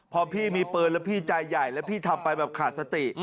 พอพี่มีปืนแล้วพี่ใจใหญ่แล้วพี่ทำไปแบบขาดสติ